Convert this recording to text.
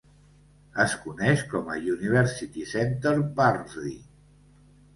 Es coneix com a University Centre Barnsley.